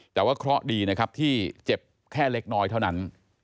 แต่ว่าเคราะห์ดีนะครับที่เจ็บแค่เล็กน้อยเท่านั้น